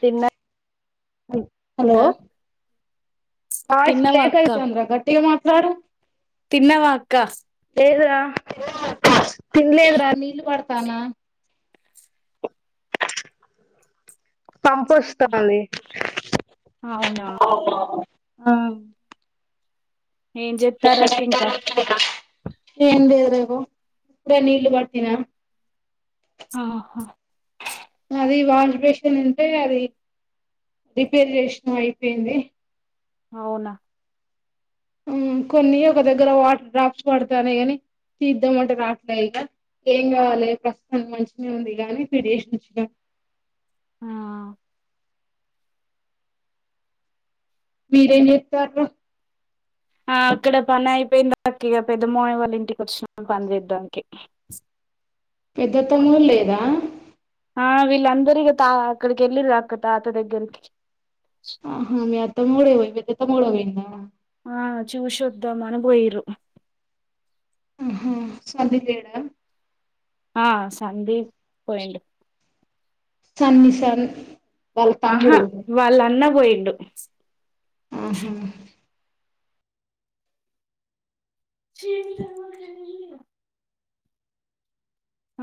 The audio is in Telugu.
తిన్నా హలో వాయిస్ తిన్నవా అక్క బ్రేకెత్తుంది గట్టిగా మాట సరు తిన్నవా అక్క లేదు రా తిన్లేద్ర నీళ్లుపడతనా కంపొస్థాంది అవునా ఆ ఏం చెప్తారు అక్క ఇంకా ఏమీ లేదురేపు ఇప్పుడే నీళ్ళ బటినా ఆహా అది వాష్ బెషన్ ఉంటే అది రిపేర్ చేసిన అయిపోయింది అవునా కొన్ని ఒక దగ్గర వాటర్ డ్రాప్స్ పడతానే గాని తీద్దాంమంటారు రాట్లా ఇక ఏం కావాలి ప్రస్తుతనికి మంచిగా ఉంది కాగాని పిడేసిగా ఆ మీరేం చేతండ్రు ఆ అక్కడ పని అయిపోయిందిా ఇక పెద్ద మావయ్య వాళ్ళ ఇంటికి వచ్చిన పని చేద్దానికి పెద్ద అత్తము లేదా ఆ వీళ్ళందరిక తా అక్కడికి వెళ్ళరు అక్క తాత దగ్గరికి హా. మీ అత్తమ్మ కూడా పో అత్తమ్మ కూడా పోయిందా ఆ చూసి వద్దాం అని పోయిరు ఆహా సందీప్ లేడా ఆ సందీప్ పోయిండు సన్ని సన్ వాళ్ళ ఆహా తమ్ముడు వాళ్ళు అన్న పోయిన్ ఆహా చ